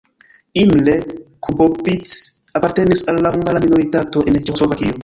Imre Kubovics apartenis al la hungara minoritato en Ĉeĥoslovakio.